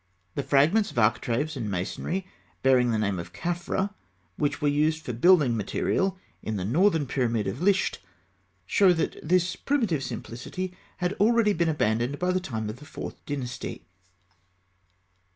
The fragments of architraves and masonry bearing the name of Khafra, which were used for building material in the northern pyramid of Lisht, show that this primitive simplicity had already been abandoned by the time of the Fourth Dynasty.